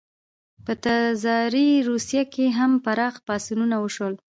په تزاري روسیه کې هم پراخ پاڅونونه وشول.